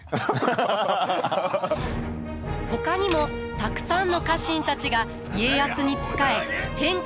ほかにもたくさんの家臣たちが家康に仕え天下へと導きます。